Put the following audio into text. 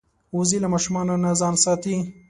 وزې له ماشومانو نه ځان ساتي